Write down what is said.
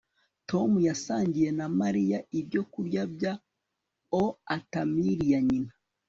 tom yasangiye na mariya ibyokurya bya oatmeal ya nyina